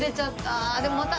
ああでもまた。